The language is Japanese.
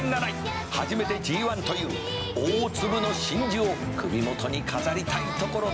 「初めてＧⅠという大粒の真珠を首元に飾りたいところだ」